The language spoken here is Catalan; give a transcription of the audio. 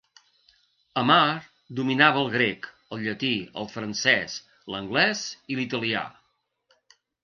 Amar dominava el grec, el llatí, el francès, l'anglès i l'italià.